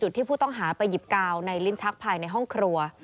ที่ผู้ต้องหาไปหยิบกาวในลิ้นชักภายในห้องครัว